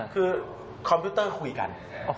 คือคอมพิวเตอร์คุยกัน